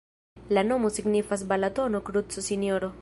La nomo signifas: Balatono-kruco-Sinjoro.